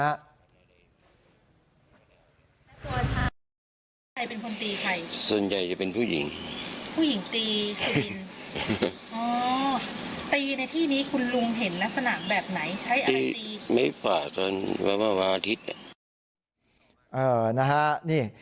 ตัวชาติเป็นคนตีใครส่วนใหญ่จะเป็นผู้หญิงผู้หญิงตีสุรินตร์ตีในที่นี้คุณลุงเห็นลักษณะแบบไหนใช้อะไรตีไม่ฝ่าคือเวลาอาทิตย์